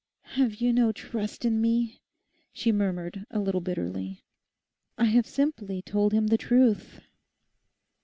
'Have you no trust in me?' she murmured a little bitterly. 'I have simply told him the truth.